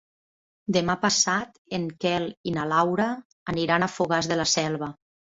Demà passat en Quel i na Laura aniran a Fogars de la Selva.